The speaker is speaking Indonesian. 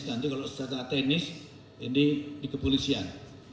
nanti kalau secara teknis ini dikepolisian